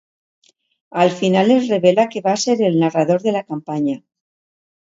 Al final es revela que va ser el narrador de la campanya.